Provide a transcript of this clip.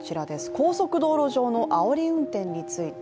高速道路上のあおり運転について。